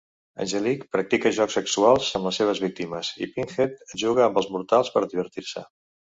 Angelique practica jocs sexuals amb les seves víctimes i Pinhead juga amb els mortals per divertir-se.